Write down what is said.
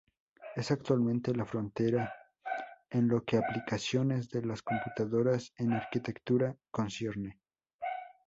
Es actualmente, la frontera en lo que aplicaciones de las computadoras en arquitectura concierne.